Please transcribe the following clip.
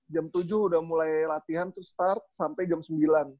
jam tujuh udah mulai latihan tuh start sampai jam sembilan